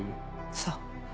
そう。